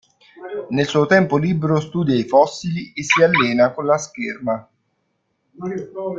Nel suo tempo libero studia i fossili e si allena con la scherma.